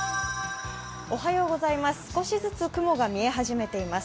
少しずつ雲が見え始めています。